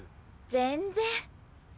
全然。